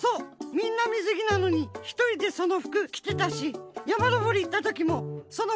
みんなみずぎなのにひとりでその服きてたしやまのぼりいったときもその服だったし。